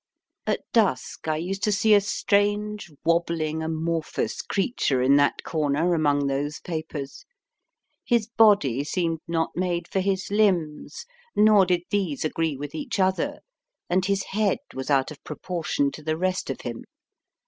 At dusk I used to see a strange, wobbling, amorphous creature in that corner among those papers. His body seemed not made for his limbs, nor did these agree with each other, and his head was out of proportion to the rest of him.